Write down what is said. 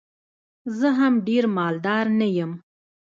زه هم ډېر مالدار نه یم.